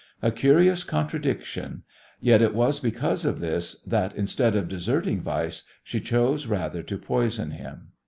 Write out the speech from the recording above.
A curious contradiction, yet it was because of this that, instead of deserting Weiss, she chose rather to poison him.